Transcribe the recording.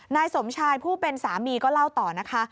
นายสมชายผู้เป็นสามีก็เล่าต่อนะคะ